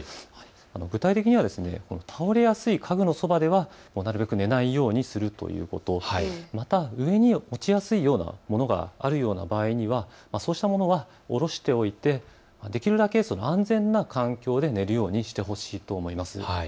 具体的には倒れやすい家具のそばではなるべく寝ないようにするということ、また、上に落ちやすいようなものがあるような場合にはそうしたものはおろしておいてできるだけ安全な環境で寝るようにしてほしいと思います。